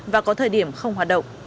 và có thời điểm không hoạt động